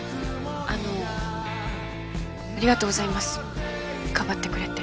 あのありがとうございますかばってくれて。